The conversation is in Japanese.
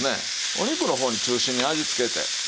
お肉の方中心に味つけて。